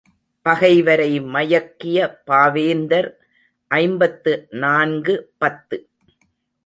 பகைவரை மயக்கிய பாவேந்தர் ஐம்பத்து நான்கு பத்து.